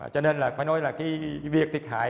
cho nên là phải nói là cái việc thiệt hại